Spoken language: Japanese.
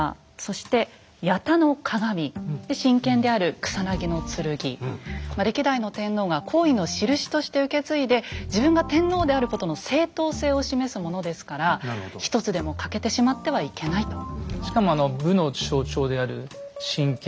神剣である歴代の天皇が皇位のしるしとして受け継いで自分が天皇であることの正統性を示すものですから一つでも欠けてしまってはいけないと。